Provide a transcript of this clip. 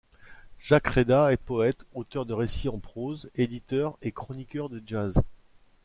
Jacques Réda est poète, auteur de récits en prose, éditeur et chroniqueur de jazz.